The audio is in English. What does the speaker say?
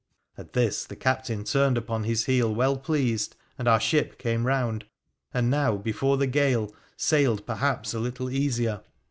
At this the captain turned upon his heel well pleased, and our ship came round, and now, before the gale, sailed perhaps a little easier.